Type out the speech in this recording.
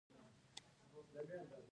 هر زمزمه کوونکی اوس خپل البوم جوړولی شي.